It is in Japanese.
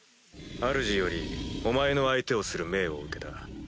あるじよりお前の相手をする命を受けた。